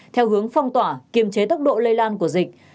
theo hướng phong tỏa kiềm chế tốc độ lây lan của dịch